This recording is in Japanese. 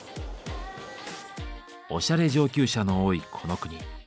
おしゃれ上級者の多いこの国。